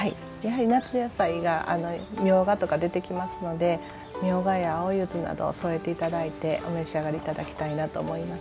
やはり夏野菜がみょうがとか出てきますのでみょうがや青ゆずなどを添えて頂いてお召し上がり頂きたいなと思います。